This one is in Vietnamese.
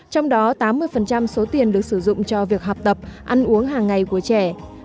trong đó tám mươi số tiền được sử dụng cho việc học tập ăn uống hàng ngày của trẻ